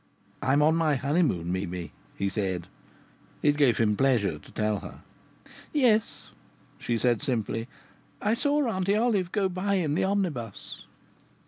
"I'm on my honeymoon, Mimi," he said. It gave him pleasure to tell her. "Yes," she said simply, "I saw Auntie Olive go by in the omnibus."